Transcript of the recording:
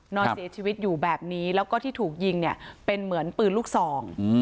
นอนเสียชีวิตอยู่แบบนี้แล้วก็ที่ถูกยิงเนี่ยเป็นเหมือนปืนลูกซอง